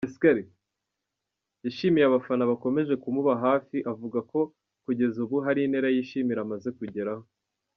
Yashimiye abafana bakomeje kumuba hafi avuga ko kugeza ubu hari intera yishimira amaze kugeraho.